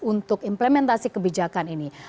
untuk implementasi kebijakan ini